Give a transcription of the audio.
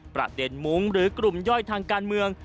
มุ้งหรือกลุ่มย่อยทางการเมือง